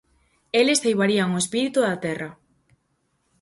Eles ceibarían o espírito da Terra.